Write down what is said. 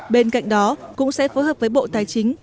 bên cạnh đó cũng sẽ phối hợp với bộ tài chính